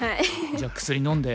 じゃあ薬飲んで。